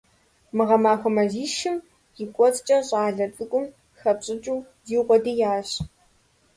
Мы гъэмахуэ мазищым и кӀуэцӀкӀэ щӀалэ цӀыкӀум хэпщӀыкӀыу зиукъуэдиящ.